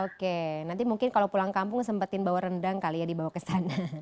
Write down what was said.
oke nanti mungkin kalau pulang kampung sempetin bawa rendang kali ya dibawa ke sana